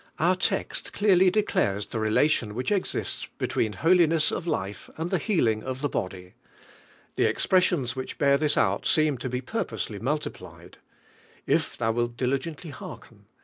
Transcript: Our text clearly declares the relation which exists between holiness of life and the healing of the body. The expres sions which bear this oul seem In be pur posely multiplied: "If thou wilt diligent ly hearken ...